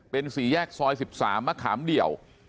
เป็นสี่แยกซอย๑๓มะขามเดี่ยว